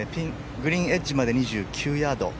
グリーンエッジまで２９ヤード。